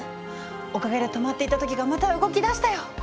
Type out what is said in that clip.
おかげで止まっていた時がまた動きだしたよ。